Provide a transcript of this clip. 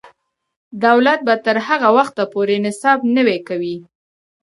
دولت به تر هغه وخته پورې نصاب نوی کوي.